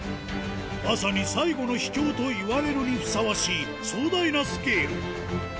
まさに最後の秘境といわれるにふさわしい壮大なスケール